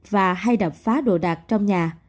và hay đập phá đồ đạc trong nhà